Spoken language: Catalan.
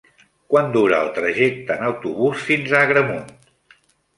Quant dura el trajecte en autobús fins a Agramunt?